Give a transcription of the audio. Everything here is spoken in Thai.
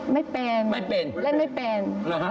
ไม่เป็นเล่นไม่เป็น